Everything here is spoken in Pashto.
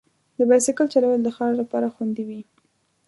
د بایسکل چلول د ښار لپاره خوندي وي.